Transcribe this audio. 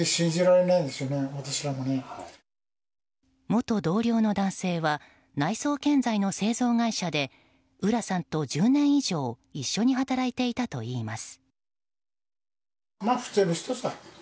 元同僚の男性は内装建材の製造会社で浦さんと１０年以上一緒に働いていたといいます。